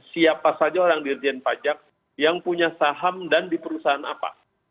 siapa saja orang dirjen pajak yang punya saham dan di perusahaan apa